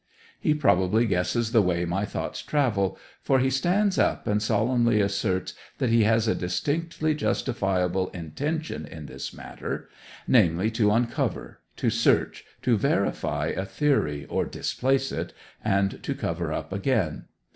He probably guesses the way my thoughts travel, for he stands up and solemnly asserts that he has a distinctly justifiable intention in this matter; namely, to uncover, to search, to verify a theory or displace it, and to cover up again.